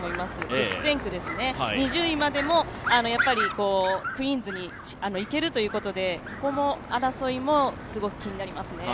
激戦区ですよね、２０位までもクイーンズまでに行けるということでここの争いもすごく気になります。